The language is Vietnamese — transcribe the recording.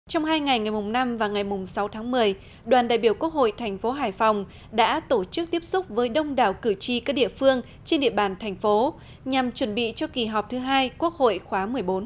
trong hai ngày ngày năm và ngày mùng sáu tháng một mươi đoàn đại biểu quốc hội thành phố hải phòng đã tổ chức tiếp xúc với đông đảo cử tri các địa phương trên địa bàn thành phố nhằm chuẩn bị cho kỳ họp thứ hai quốc hội khóa một mươi bốn